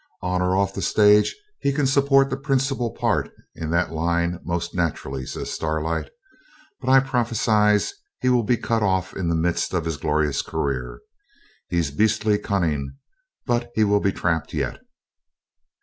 'On or off the stage he can support the principal part in that line most naturally,' says Starlight; 'but I prophesy he will be cut off in the midst of his glorious career. He's beastly cunning, but he'll be trapped yet.'